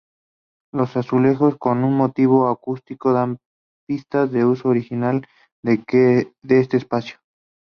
Los azulejos con un motivo acuático dan pistas del uso original de este espacio.